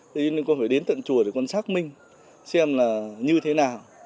thế nên con phải đến tận chùa để con xác minh xem là như thế nào